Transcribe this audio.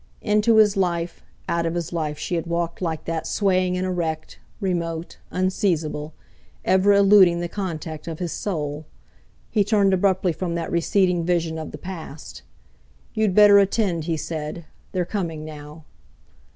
Into his life, out of his life she had walked like that swaying and erect, remote, unseizable; ever eluding the contact of his soul! He turned abruptly from that receding vision of the past. "You'd better attend," he said, "they're coming now!"